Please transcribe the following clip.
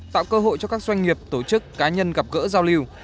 tạo cơ hội cho các doanh nghiệp tổ chức cá nhân gặp gỡ giao lưu